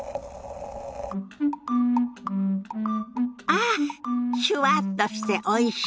ああっシュワッとしておいし。